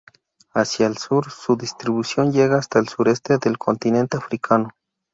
Hacia el sur su distribución llega hasta el sureste del continente africano.